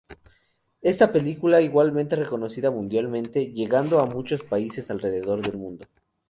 Está película fue igualmente reconocida mundialmente, llegando a muchos países alrededor del mundo.